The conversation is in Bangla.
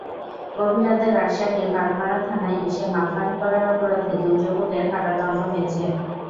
গভীর রাতে রাজশাহীর বাগমারা থানায় এসে মাতলামি করার অপরাধে দুই যুবকের কারাদণ্ড হয়েছে।